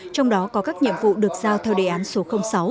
trong đó có các nhiệm vụ được giao theo đề án số sáu